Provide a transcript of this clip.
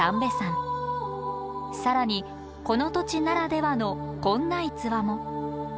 更にこの土地ならではのこんな逸話も。